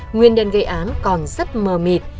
nguyên đơn gây án còn rất mờ mịt